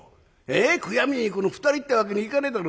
悔やみに行くの２人ってわけにいかねえだろ。